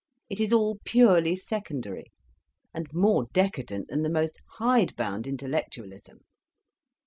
It is all purely secondary—and more decadent than the most hide bound intellectualism.